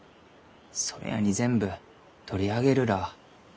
それやに全部取り上げるらあ。